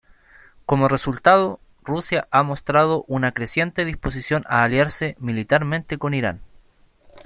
Como resultado, Rusia ha mostrado una creciente disposición a aliarse militarmente con Irán.